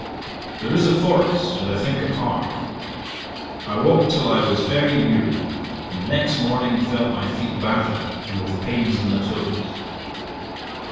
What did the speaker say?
There is a forest, and, I think, a park. I walked till I was very weary, and next morning felt my feet battered, and with pains in the toes.